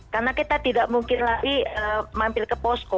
karena kita tidak mungkin lagi mampir ke posko